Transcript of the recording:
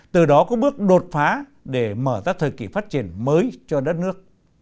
từ đó có bước đột phá để mở ra thời kỳ phát triển mới cho đất nước